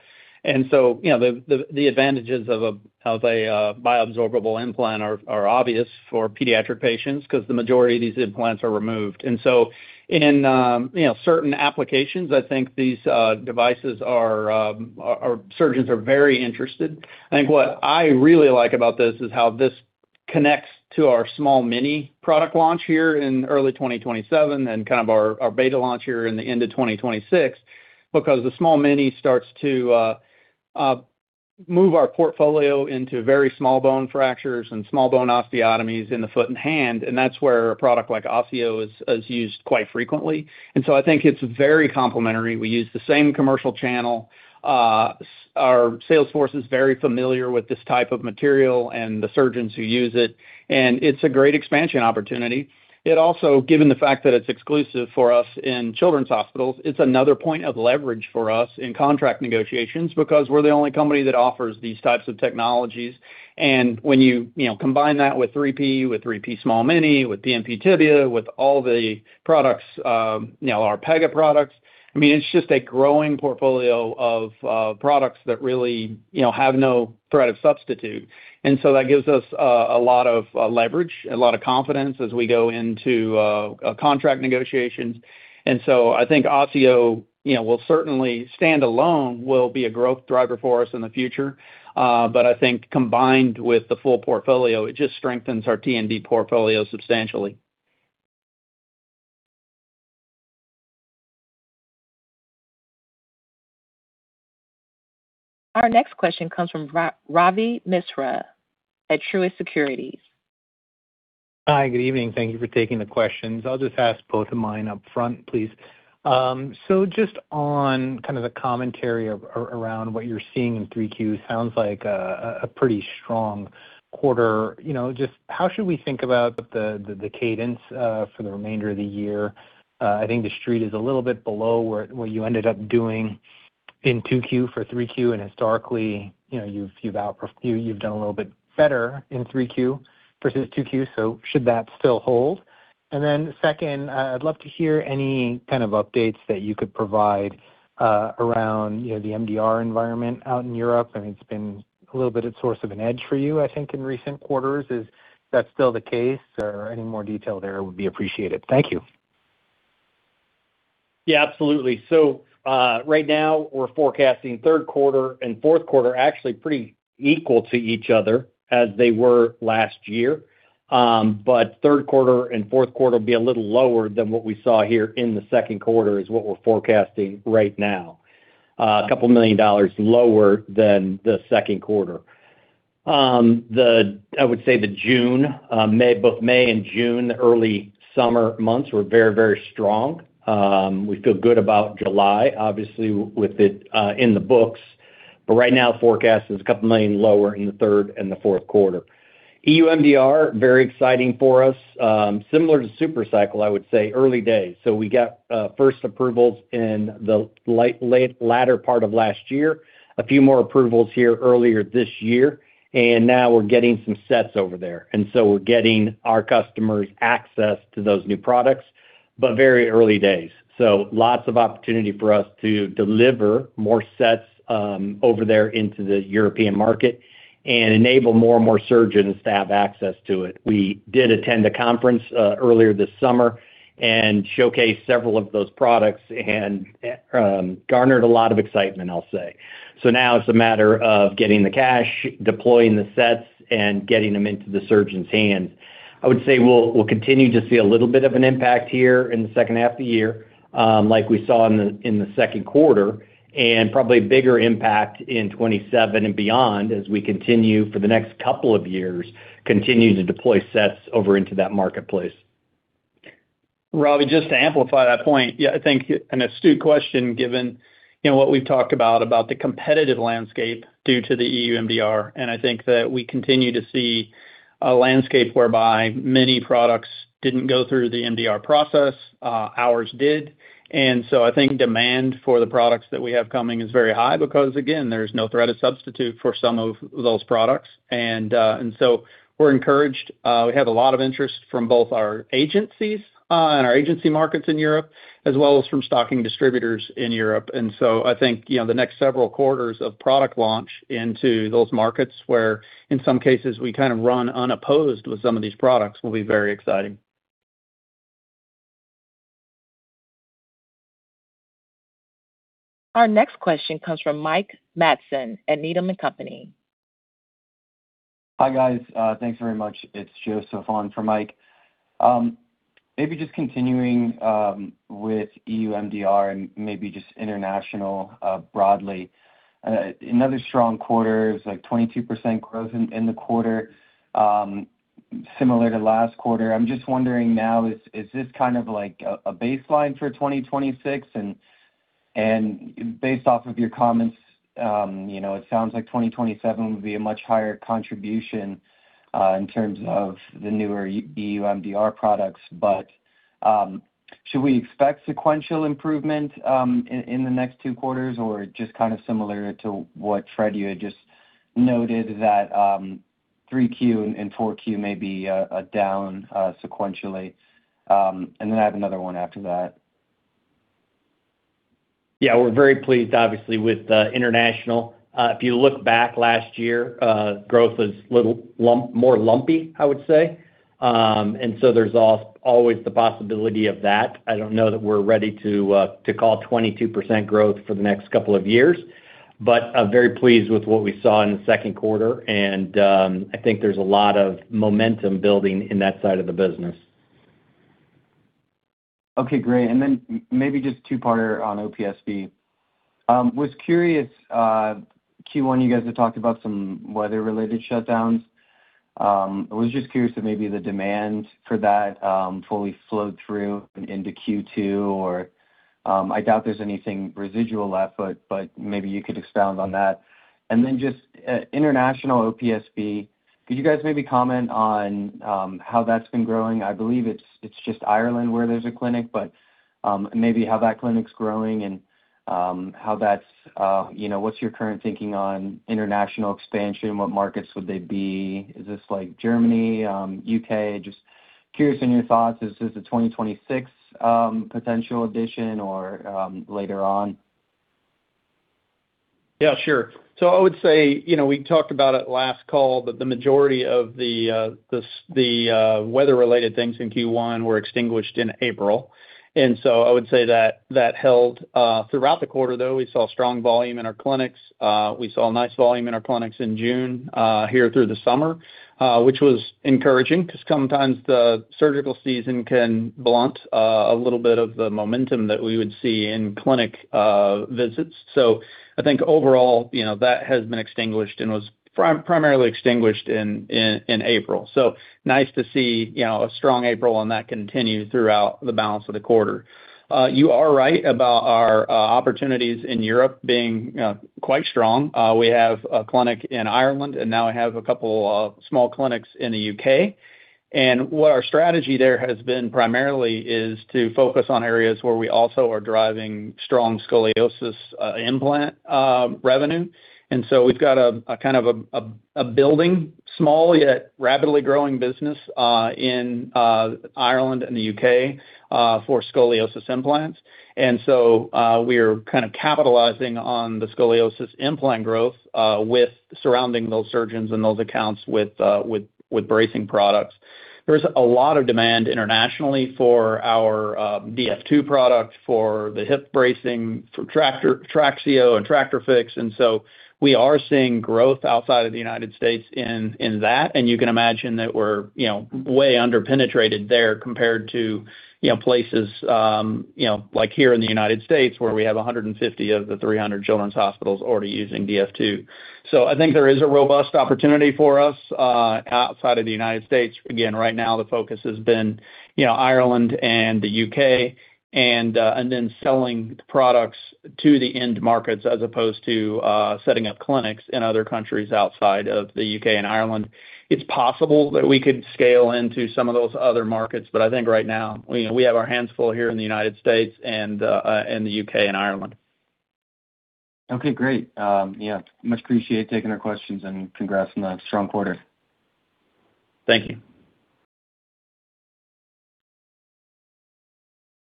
C: So, the advantages of a bioabsorbable implant are obvious for pediatric patients because the majority of these implants are removed. So in certain applications, I think these devices, our surgeons are very interested. I think what I really like about this is how this connects to our Small-Mini product launch here in early 2027 and kind of our beta launch here in the end of 2026, because the Small-Mini starts to move our portfolio into very small bone fractures and small bone osteotomies in the foot and hand. That's where a product like OSSIO is used quite frequently. So I think it's very complementary. We use the same commercial channel. Our sales force is very familiar with this type of material and the surgeons who use it, and it's a great expansion opportunity. It also, given the fact that it's exclusive for us in children's hospitals, it's another point of leverage for us in contract negotiations because we're the only company that offers these types of technologies. When you combine that with 3P, with 3P Small-Mini, with BMP tibia, with all the products, our Pega products, it's just a growing portfolio of products that really have no threat of substitute. So that gives us a lot of leverage, a lot of confidence as we go into contract negotiations. So I think OSSIO will certainly stand alone, will be a growth driver for us in the future. I think combined with the full portfolio, it just strengthens our T&D portfolio substantially.
A: Our next question comes from Ravi Misra at Truist Securities.
J: Hi. Good evening. Thank you for taking the questions. I'll just ask both of mine up front, please. Just on kind of the commentary around what you're seeing in 3Q, sounds like a pretty strong quarter. Just how should we think about the cadence for the remainder of the year? I think the street is a little bit below where you ended up doing in 2Q for 3Q, and historically, you've done a little bit better in 3Q versus 2Q. Should that still hold? And then second, I'd love to hear any kind of updates that you could provide around the MDR environment out in Europe. It's been a little bit of a source of an edge for you, I think, in recent quarters. Is that still the case or any more detail there would be appreciated. Thank you.
D: Yeah, absolutely. Right now we're forecasting third quarter and fourth quarter actually pretty equal to each other as they were last year. Third quarter and fourth quarter will be a little lower than what we saw here in the second quarter is what we're forecasting right now. A couple million dollars lower than the second quarter. I would say both May and June, early summer months, were very strong. We feel good about July, obviously with it in the books. Right now, the forecast is a couple million lower in the third and the fourth quarter. EU MDR, very exciting for us. Similar to Super Cycle, I would say, early days. We got first approvals in the latter part of last year, a few more approvals here earlier this year, and now we're getting some sets over there. We're getting our customers access to those new products, but very early days. Lots of opportunity for us to deliver more sets over there into the European market and enable more and more surgeons to have access to it. We did attend a conference earlier this summer and showcased several of those products and garnered a lot of excitement, I'll say. Now it's a matter of getting the cash, deploying the sets, and getting them into the surgeon's hands. I would say we'll continue to see a little bit of an impact here in the second half of the year, like we saw in the second quarter, and probably a bigger impact in 2027 and beyond as we continue for the next couple of years, continue to deploy sets over into that marketplace.
C: Ravi, just to amplify that point. Yeah, I think an astute question given what we've talked about the competitive landscape due to the EU MDR. I think that we continue to see a landscape whereby many products didn't go through the MDR process. Ours did. I think demand for the products that we have coming is very high because, again, there's no threat of substitute for some of those products. We're encouraged. We have a lot of interest from both our agencies, and our agency markets in Europe, as well as from stocking distributors in Europe. I think, the next several quarters of product launch into those markets where in some cases we kind of run unopposed with some of these products will be very exciting.
A: Our next question comes from Mike Matson at Needham & Company.
K: Hi, guys. Thanks very much. It's Joe Sofen for Mike. Maybe just continuing with EU MDR and maybe just international broadly. Another strong quarter, it was 22% growth in the quarter, similar to last quarter. I'm just wondering now, is this kind of a baseline for 2026? Based off of your comments, it sounds like 2027 would be a much higher contribution in terms of the newer EU MDR products. Should we expect sequential improvement in the next two quarters, or just kind of similar to what, Fred, you had just noted that 3Q and 4Q may be down sequentially? Then I have another one after that.
C: Yeah. We're very pleased, obviously, with international. If you look back last year, growth was little more lumpy, I would say. There's always the possibility of that. I don't know that we're ready to call 22% growth for the next couple of years. I'm very pleased with what we saw in the second quarter, and I think there's a lot of momentum building in that side of the business.
K: Okay, great. Maybe just two-parter on OPSB. I was curious, Q1, you guys had talked about some weather-related shutdowns. I was just curious if maybe the demand for that fully flowed through into Q2, or I doubt there's anything residual left, but maybe you could expound on that. Just international OPSB, could you guys maybe comment on how that's been growing? I believe it's just Ireland where there's a clinic, but maybe how that clinic's growing and what's your current thinking on international expansion? What markets would they be? Is this Germany, U.K.? Just curious on your thoughts. Is this a 2026 potential addition or later on?
C: Yeah, sure. I would say, we talked about it last call, but the majority of the weather-related things in Q1 were extinguished in April. I would say that held throughout the quarter, though. We saw strong volume in our clinics. We saw nice volume in our clinics in June, here through the summer, which was encouraging because sometimes the surgical season can blunt a little bit of the momentum that we would see in clinic visits. I think overall, that has been extinguished and was primarily extinguished in April. Nice to see a strong April, and that continued throughout the balance of the quarter. You are right about our opportunities in Europe being quite strong. We have a clinic in Ireland, and now we have a couple of small clinics in the U.K. What our strategy there has been primarily is to focus on areas where we also are driving strong scoliosis implant revenue. We've got a kind of a building, small yet rapidly growing business in Ireland and the U.K. for scoliosis implants. We're kind of capitalizing on the scoliosis implant growth with surrounding those surgeons and those accounts with bracing products. There's a lot of demand internationally for our DF2 product, for the hip bracing, for TRAXIO and TractorFix. We are seeing growth outside of the United States in that. You can imagine that we're way under-penetrated there compared to places like here in the United States, where we have 150 of the 300 children's hospitals already using DF2. I think there is a robust opportunity for us outside of the United States. Again, right now, the focus has been Ireland and the U.K., selling products to the end markets as opposed to setting up clinics in other countries outside of the U.K. and Ireland. It's possible that we could scale into some of those other markets, but I think right now, we have our hands full here in the United States and the U.K. and Ireland.
K: Okay, great. Much appreciate taking our questions, Congrats on the strong quarter.
C: Thank you.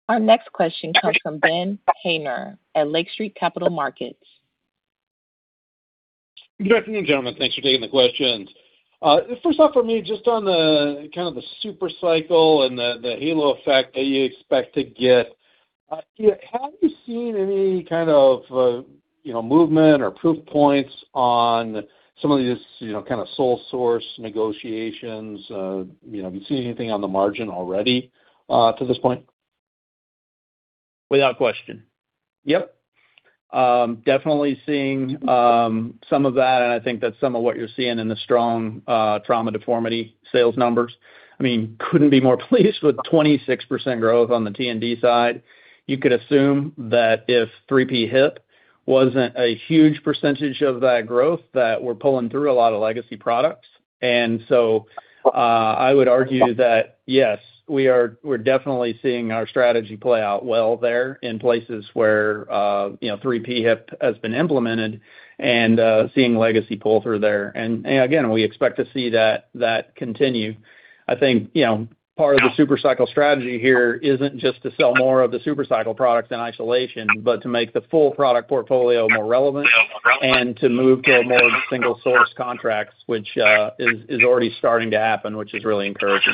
A: Our next question comes from Ben Haynor at Lake Street Capital Markets.
L: Good afternoon, gentlemen. Thanks for taking the questions. First off for me, just on the kind of the super cycle and the halo effect that you expect to get, have you seen any kind of movement or proof points on some of these kind of sole source negotiations? Have you seen anything on the margin already to this point?
C: Without question.
L: Yep.
C: Definitely seeing some of that, and I think that's some of what you're seeing in the strong Trauma & Deformity sales numbers. I mean, couldn't be more pleased with 26% growth on the T&D side. You could assume that if 3P Hip wasn't a huge percentage of that growth, that we're pulling through a lot of legacy products. So, I would argue that yes, we're definitely seeing our strategy play out well there in places where 3P Hip has been implemented and seeing legacy pull through there. Again, we expect to see that continue. I think, part of the super cycle strategy here isn't just to sell more of the super cycle products in isolation, but to make the full product portfolio more relevant and to move to a more single-source contracts, which is already starting to happen, which is really encouraging.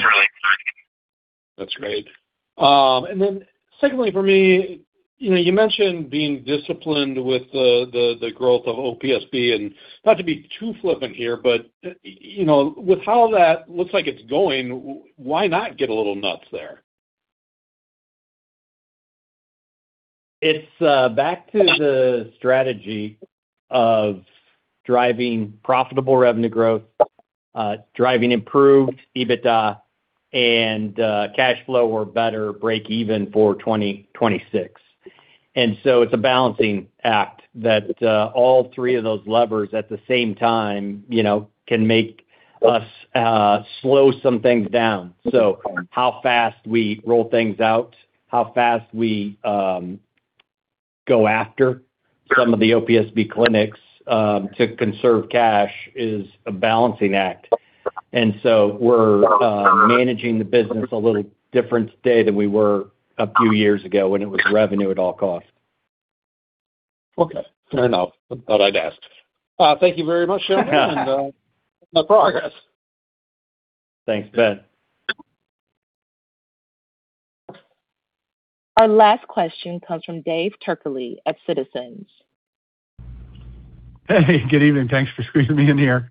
L: That's great. Secondly for me, you mentioned being disciplined with the growth of OPSB and not to be too flippant here, but with how that looks like it's going, why not get a little nuts there?
D: It's back to the strategy of driving profitable revenue growth, driving improved EBITDA and cash flow or better break even for 2026. It's a balancing act that all three of those levers at the same time can make us slow some things down. How fast we roll things out, how fast we go after some of the OPSB clinics to conserve cash is a balancing act. We're managing the business a little different today than we were a few years ago when it was revenue at all costs.
L: Okay. Fair enough. Thought I'd ask. Thank you very much, gentlemen, and good luck with progress.
D: Thanks, Ben.
A: Our last question comes from Dave Turkaly at Citizens.
M: Hey, good evening. Thanks for squeezing me in here.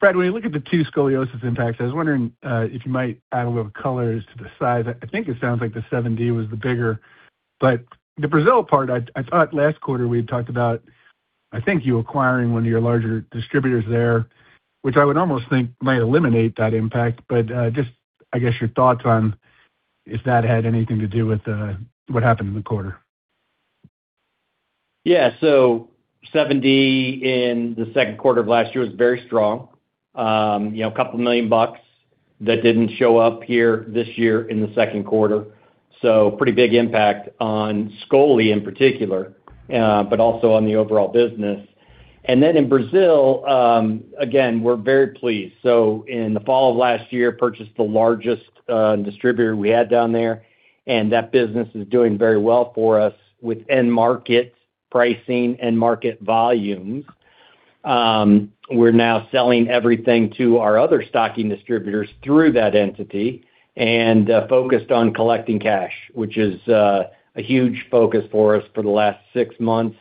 M: Fred, when you look at the two Scoliosis impacts, I was wondering if you might add a little color as to the size. I think it sounds like the 7D was the bigger. The Brazil part, I thought last quarter we had talked about, I think you acquiring one of your larger distributors there, which I would almost think might eliminate that impact. Just, I guess, your thoughts on if that had anything to do with what happened in the quarter.
D: Yeah. 7D in the second quarter of last year was very strong. A couple million dollars that didn't show up here this year in the second quarter. Pretty big impact on Scoliosis in particular, but also on the overall business. In Brazil, again, we're very pleased. In the fall of last year, purchased the largest distributor we had down there, and that business is doing very well for us with end market pricing and market volumes. We're now selling everything to our other stocking distributors through that entity and focused on collecting cash, which is a huge focus for us for the last six months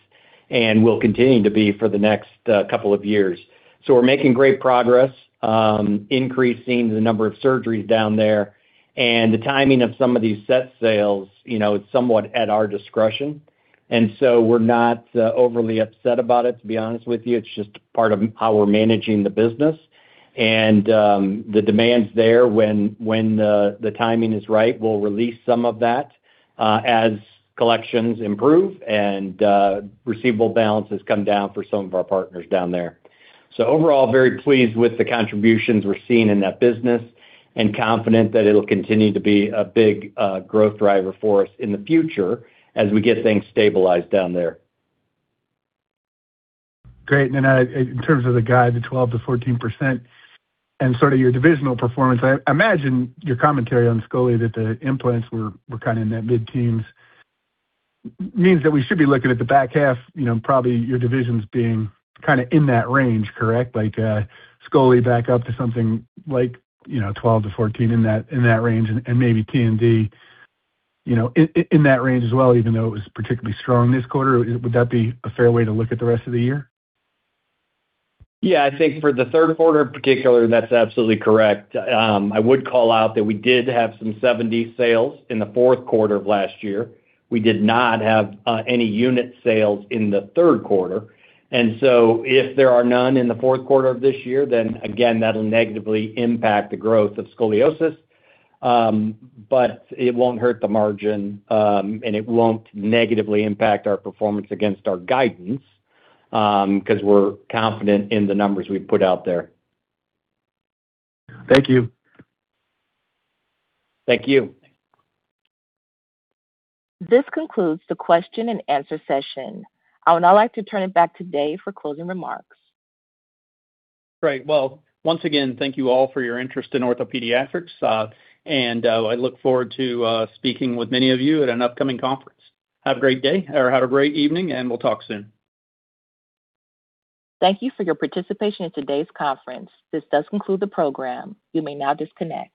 D: and will continue to be for the next couple of years. We're making great progress, increasing the number of surgeries down there and the timing of some of these set sales, it's somewhat at our discretion, and so we're not overly upset about it, to be honest with you. It's just part of how we're managing the business and the demands there. When the timing is right, we'll release some of that as collections improve and receivable balances come down for some of our partners down there. Overall, very pleased with the contributions we're seeing in that business and confident that it'll continue to be a big growth driver for us in the future as we get things stabilized down there.
M: Great. In terms of the guide to 12%-14% and sort of your divisional performance, I imagine your commentary on Scoliosis that the implants were kind of in that mid-teens means that we should be looking at the back half, probably your divisions being kind of in that range, correct? Like Scoliosis back up to something like 12-14 in that range and maybe T&D in that range as well even though it was particularly strong this quarter. Would that be a fair way to look at the rest of the year?
D: Yeah, I think for the third quarter in particular, that's absolutely correct. I would call out that we did have some 7D sales in the fourth quarter of last year. We did not have any unit sales in the third quarter, and so if there are none in the fourth quarter of this year, then again, that'll negatively impact the growth of Scoliosis. It won't hurt the margin, and it won't negatively impact our performance against our guidance because we're confident in the numbers we put out there.
M: Thank you.
D: Thank you.
A: This concludes the question and answer session. I would now like to turn it back to Dave for closing remarks.
C: Great. Well, once again, thank you all for your interest in OrthoPediatrics, I look forward to speaking with many of you at an upcoming conference. Have a great day or have a great evening, we'll talk soon.
A: Thank you for your participation in today's conference. This does conclude the program. You may now disconnect.